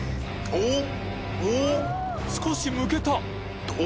おっ？